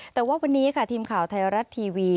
แต่ว่าวันนี้ค่ะทีมข่าวไทยรัฐทีวี